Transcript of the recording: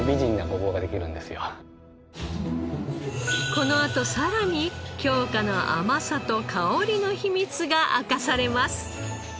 このあとさらに京香の甘さと香りの秘密が明かされます。